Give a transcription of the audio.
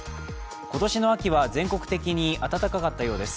今年の秋は全国的に暖かかったようです。